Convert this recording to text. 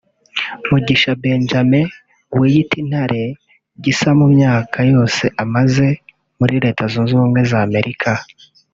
Mugisha Benjamin wiyita Intare Gisa mu myaka yose amaze muri Leta Zunze Ubumwe za Amerika